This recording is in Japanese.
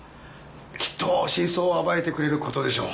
きっと真相を暴いてくれる事でしょう。